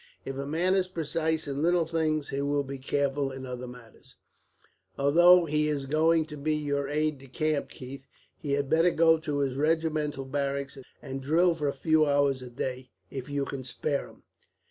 If a man is precise in little things, he will be careful in other matters. "Although he is going to be your aide de camp, Keith, he had better go to his regimental barracks, and drill for a few hours a day, if you can spare him."